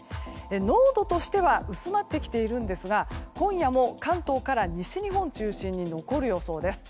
濃度としては薄まってきているんですが今夜も関東から西日本中心に残る予想です。